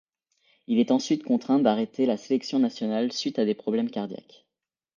Il est ensuite contraint d'arrêter la sélection nationale suite à des problèmes cardiaques.